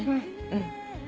うん。